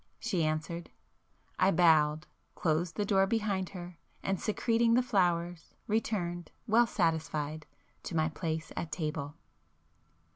she answered. I bowed,—closed the door behind her, and secreting the flowers, returned, well satisfied, to my place at table.